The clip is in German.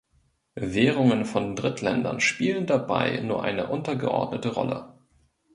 Währungen von Drittländern spielen dabei nur eine untergeordnete Rolle.